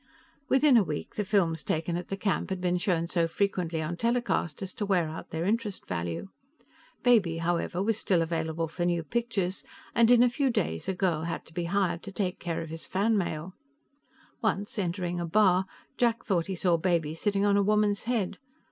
Within a week, the films taken at the camp had been shown so frequently on telecast as to wear out their interest value. Baby, however, was still available for new pictures, and in a few days a girl had to be hired to take care of his fan mail. Once, entering a bar, Jack thought he saw Baby sitting on a woman's head.